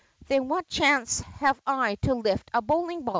"Then what chance have I to lift a bowling ball?"